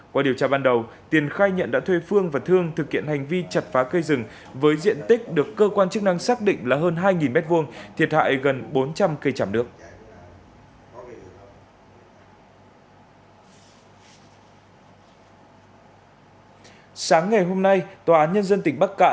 qua điều tra ban đầu tiền khai nhận đã thuê phương và thương thực hiện hành vi chặt phá cây rừng với diện tích được cơ quan chức năng xác định là hơn hai m hai thiệt hại gần bốn trăm linh cây chảm nước